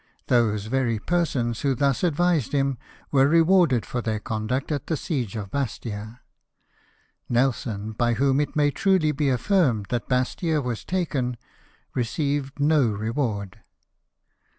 Those very persons who thus advised him were rewarded for their conduct at the siege of Bastia: Nelson, by whom it may truly be affirmed that Bastia was taken, received no reward.